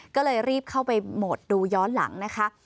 ก็เลยรีบเข้าไปหมดดูย้อนหลังนะคะ